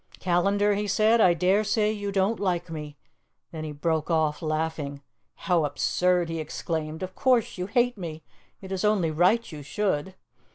"Callandar," he said, "I dare say you don't like me " Then he broke off, laughing. "How absurd!" he exclaimed. "Of course you hate me; it is only right you should.